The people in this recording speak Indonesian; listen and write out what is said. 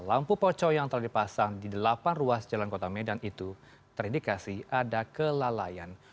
lampu poco yang telah dipasang di delapan ruas jalan kota medan itu terindikasi ada kelalaian